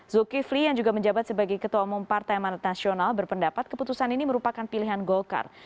zulkifli yang juga menjabat sebagai ketua umum partai manat nasional berpendapat keputusan ini merupakan pilihan golkar